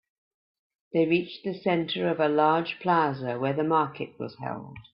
They reached the center of a large plaza where the market was held.